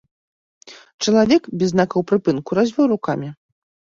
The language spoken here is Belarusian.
Чалавек без знакаў прыпынку развёў рукамі.